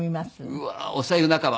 うわーお白湯仲間。